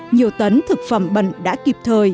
nhiều tấn thực phẩm bẩn đã kịp thời